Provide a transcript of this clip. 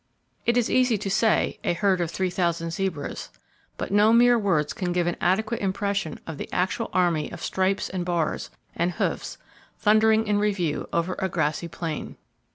It is easy to say "a herd of 3,000 zebras;" but no mere words can give an adequate impression of the actual army of stripes and bars, and hoofs thundering in review over a grassy plain.